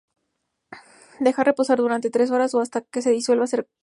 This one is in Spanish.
Dejar reposar durante tres horas o hasta se disuelva por completo.